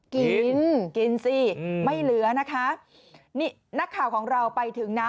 กินกินสิไม่เหลือนะคะนี่นักข่าวของเราไปถึงนะ